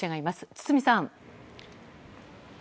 堤さん。